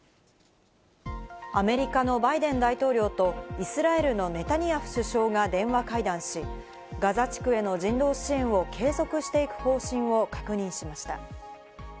アメリカのバイデン大統領とイスラエルのネタニヤフ首相が電話会談し、ガザ地区への人道支援を継続していく方針を確認しました。